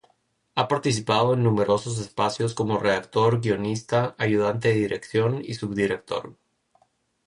Ha participado en numerosos espacios como redactor, guionista, ayudante de dirección y subdirector.